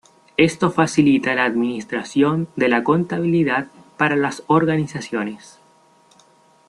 Esto facilita la administración de la contabilidad para las organizaciones.